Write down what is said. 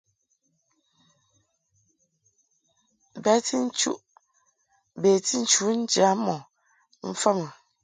Beti nchu njam ɔ mfa mɨ.